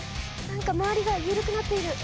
何か回りが緩くなっている。